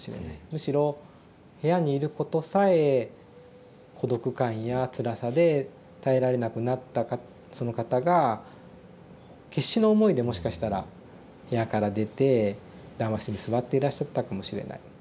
むしろ部屋にいることさえ孤独感やつらさで耐えられなくなったその方が決死の思いでもしかしたら部屋から出て談話室に座っていらっしゃったかもしれない。